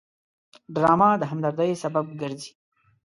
ډرامه د همدردۍ سبب ګرځي